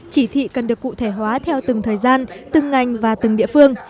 chỉ thị cần được cụ thể hóa theo từng thời gian từng ngành và từng địa phương